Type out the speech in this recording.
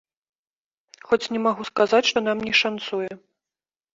Хоць не магу сказаць, што нам не шанцуе!